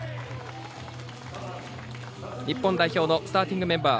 日本代表のスターティングメンバー。